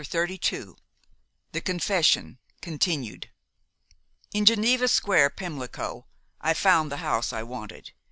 CHAPTER XXXII THE CONFESSION (Continued) "In Geneva Square, Pimlico, I found the house I wanted.